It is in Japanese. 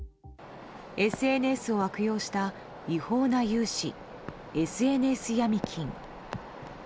ＳＮＳを悪用した違法な融資ＳＮＳヤミ金。